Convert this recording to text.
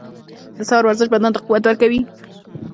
• د سهار ورزش بدن ته قوت ورکوي.